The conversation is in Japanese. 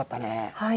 はい。